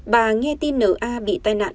bà nghe tin n a bị tai nạn